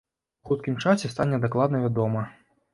У хуткім часе стане дакладна вядома.